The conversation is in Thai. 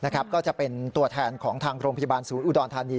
ก็จะเป็นตัวแทนของทางโรงพยาบาลศูนย์อุดรธานี